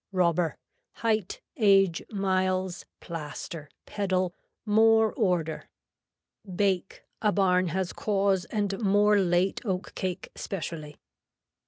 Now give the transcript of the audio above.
Robber. Height, age, miles, plaster, pedal, more order. Bake, a barn has cause and more late oat cake specially.